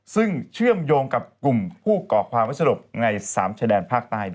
ซึ่งเชื่อมโยงกับกลุ่มผู้ก่อความวัสลบใน๓ชายแดนภาคใต้